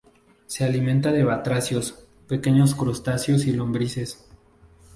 Se alimenta de batracios, pequeños crustáceos y lombrices.